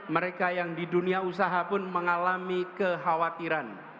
mereka yang di dunia usaha pun mengalami kekhawatiran